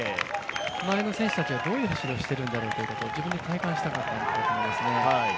前の選手たちがどういう走りをしているんだろうというのを自分で体験したかったんだと思いますね。